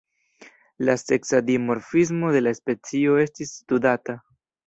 La seksa dimorfismo de la specio estis studata.